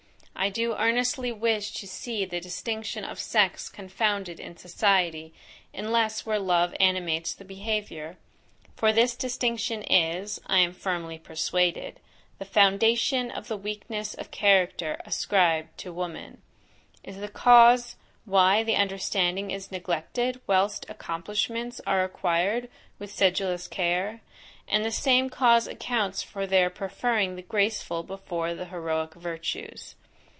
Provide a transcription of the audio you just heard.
I do earnestly wish to see the distinction of sex confounded in society, unless where love animates the behaviour. For this distinction is, I am firmly persuaded, the foundation of the weakness of character ascribed to woman; is the cause why the understanding is neglected, whilst accomplishments are acquired with sedulous care: and the same cause accounts for their preferring the graceful before the heroic virtues.